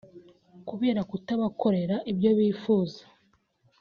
kubera kutabakorera ibyo bifuza